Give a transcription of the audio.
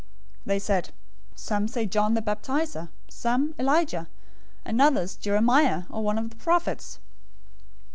016:014 They said, "Some say John the Baptizer, some, Elijah, and others, Jeremiah, or one of the prophets."